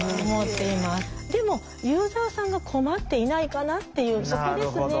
でもユーザーさんが困っていないかなっていうそこですね。